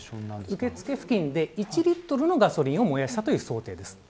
受付付近で１リットルのガソリンを燃やした想定です。